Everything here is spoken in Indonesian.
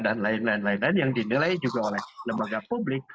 dan lain lain yang dinilai juga oleh lembaga publik